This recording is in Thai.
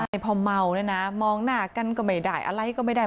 ใช่พอเมาเนี่ยนะมองหน้ากันก็ไม่ได้อะไรก็ไม่ได้